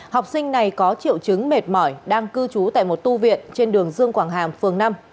học sinh này có triệu chứng mệt mỏi đang cư trú tại một tu viện trên đường dương quảng hàm phường năm